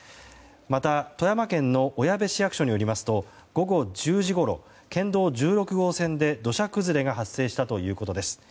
また、富山県の小矢部市役所によりますと午後１０時ごろ、県道１６号線で土砂崩れが発生したということです。